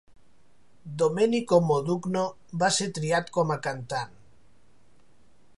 Domenico Modugno va ser triat com a cantant.